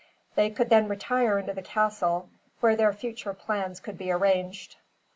They could then retire into the castle, where their future plans could be arranged.